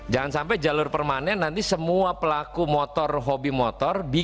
jangan sampai jalur permanen nanti semua pelaku motor hobi motor